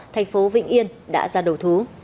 thành phố vĩnh yên đã ra đầu thú